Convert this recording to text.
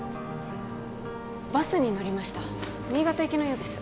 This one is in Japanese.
バスに乗りました新潟行きのようです